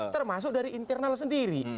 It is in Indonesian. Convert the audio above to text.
termasuk dari internal sendiri